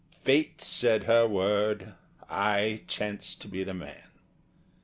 Fate said her word I chanced to be the man!